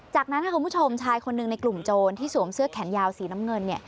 จากนั้นคุณผู้ชมชายคนหนึ่งในกลุ่มโจรที่สวมเสื้อแขนยาวสีน้ำเงิน